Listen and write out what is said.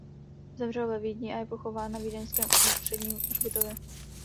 Zemřel ve Vídni a je pochován na vídeňském ústředním hřbitově.